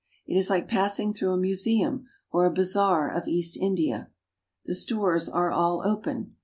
It is like passing through a museum or a bazaar of East India. The stores are all open.